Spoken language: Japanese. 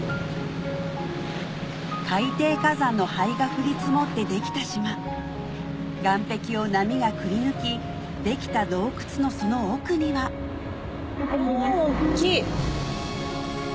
海底火山の灰が降り積もってできた島岸壁を波がくりぬきできた洞窟のその奥にはあ大っきい。